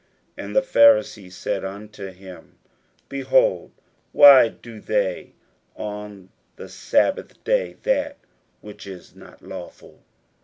41:002:024 And the Pharisees said unto him, Behold, why do they on the sabbath day that which is not lawful?